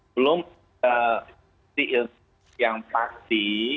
belum ada diilham yang pasti